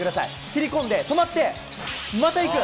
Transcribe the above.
切り込んで、止まって、また行く。